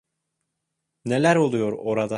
Neler oluyor orada?